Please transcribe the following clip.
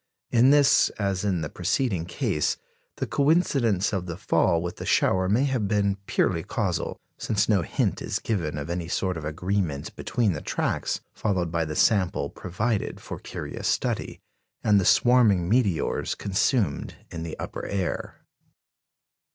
In this, as in the preceding case, the coincidence of the fall with the shower may have been purely casual, since no hint is given of any sort of agreement between the tracks followed by the sample provided for curious study, and the swarming meteors consumed in the upper air.